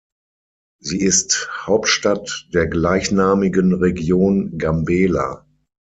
Sie ist Hauptstadt der gleichnamigen Region Gambela.